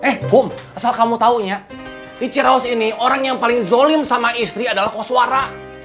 eh eh kum asal kamu taunya di cirehouse ini orang yang paling zolim sama istri adalah kau suara